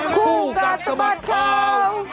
คู่กันสมัครเขา